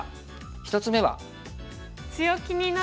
１つ目は。